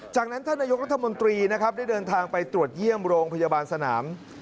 จากนั้นท่านนายกรัฐมนตรีนะครับได้เดินทางไปตรวจเยี่ยมโรงพยาบาลสนาม